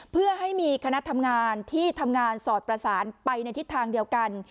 เพื่อให้มีคณะทำงานที่ทำงานสอดประสานไปในทิศทางเดียวกัน